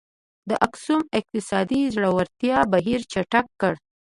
د اکسوم د اقتصادي ځوړتیا بهیر چټک کړ.